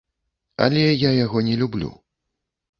Але я яго не люблю.